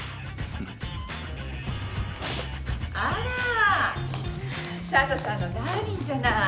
あら佐都さんのダーリンじゃない。